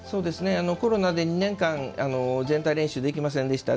コロナで２年間全体練習できませんでした。